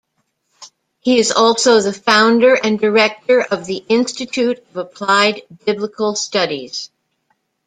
He is also the founder and director of the Institute of Applied Biblical Studies.